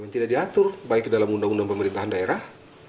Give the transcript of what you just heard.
yang tidak diatur baik dalam undang undang pemerintahan daerah